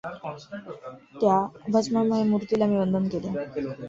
त्या भस्ममय मूर्तीला मी वंदन केले.